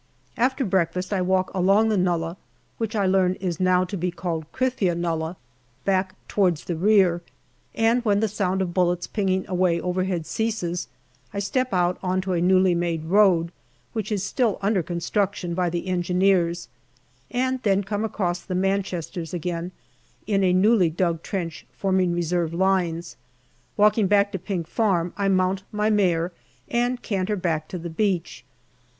After breakfast I walk along the nullah, which I learn is now to be called Krithia Nullah, back towards the rear, and when the sound of bullets pinging away overhead ceases, I step out on to a newly made road, which is still under construction by the Engineers, and then come across the Manchesters again in a newly dug trench forming reserve lines. Walking back to Pink Farm, I mount my mare and canter back to the beach.